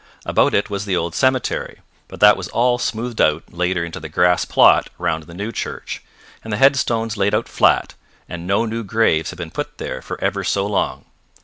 About it was the old cemetery, but that was all smoothed out later into the grass plot round the new church, and the headstones laid out flat, and no new graves have been put there for ever so long.